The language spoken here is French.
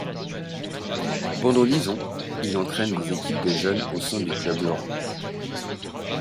Pendant dix ans, il entraîne des équipes de jeunes au sein du club lorrain.